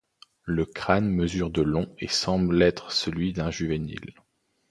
Le crâne mesure de long et semble être celui d'un juvénile.